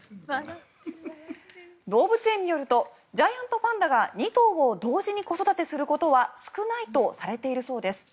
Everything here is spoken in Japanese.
動物園によるとジャイアントパンダが２頭を同時に子育てすることは少ないとされているそうです。